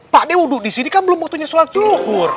pak de wudhu di sini kan belum waktunya sholat zuhur